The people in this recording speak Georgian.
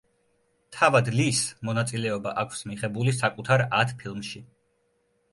თავად ლის მონაწილეობა აქვს მიღებული საკუთარ ათ ფილმში.